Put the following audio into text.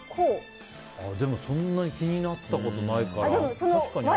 でも、そんなに気になったことないから。